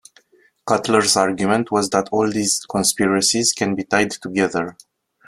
Cutler's argument was that all these conspiracies can be tied together.